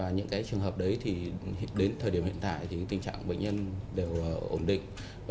những trường hợp đấy đến thời điểm hiện tại tình trạng bệnh nhân đều ổn định